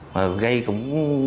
mà gây cũng